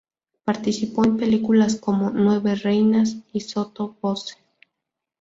Participó en películas como "Nueve reinas" y "Sotto voce".